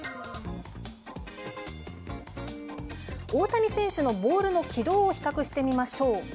大谷選手のボールの軌道を比較してみましょう。